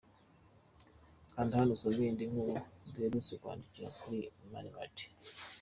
Kanda hano usome indi nkuru duherutse kwandika kuri Mani Martin.